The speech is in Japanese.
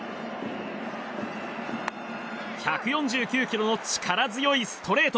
１４９キロの力強いストレート！